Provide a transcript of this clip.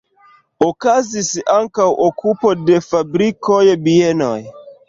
Okazis ankaŭ okupo de fabrikoj, bienoj.